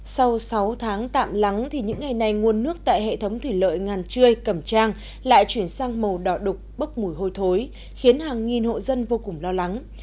sau sáu tháng tạm lắng thì những ngày này nguồn nước tại hệ thống thủy lợi ngàn trươi cẩm trang lại chuyển sang màu đỏ đục bốc mùi hôi thối khiến hàng nghìn hộ dân vô cùng lo lắng